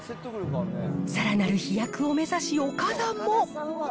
さらなる飛躍を目指し、岡田も。